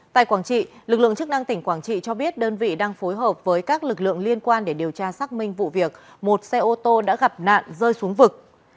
tại quảng trị lực lượng chức năng tỉnh quảng trị cho biết đơn vị đang phối hợp với các lực lượng liên quan để điều tra xác minh vụ việc một xe ô tô đã gặp nạn rơi xuống vực